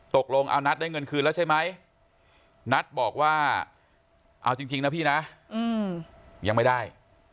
ตกลงเอานัทได้เงินคืนแล้วใช่ไหมนัทบอกว่าเอาจริงนะพี่นะยังไม่ได้